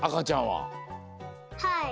はい。